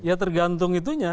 ya tergantung itunya